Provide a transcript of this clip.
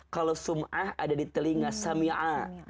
kalau sum'ah ada di telinga sam'ia'ah